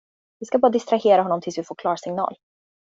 Vi ska bara distrahera honom tills vi får klarsignal.